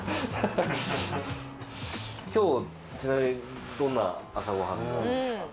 今日ちなみにどんな朝ごはんなんですか？